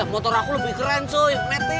motor aku lebih keren cuy